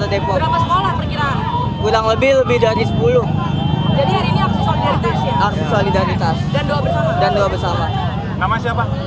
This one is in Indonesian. depok berkira kurang lebih lebih dari sepuluh solidaritas dan doa bersama nama siapa